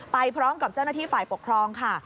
ไปพร้อมกับเจ้าหน้าที่ฝ่ายปกครองค่ะ